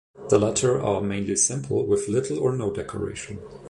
The latter are mainly simple with little or no decoration.